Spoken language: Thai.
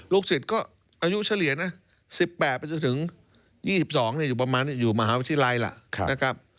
ลูกศิษย์ก็อายุเฉลี่ย๑๘๒๒ประมาณอยู่มหาวิทยาลัย